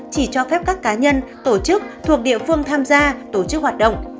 chỉ cho phép các cá nhân tổ chức thuộc địa phương tham gia tổ chức hoạt động